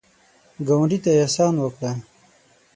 ګاونډي ته احسان وکړه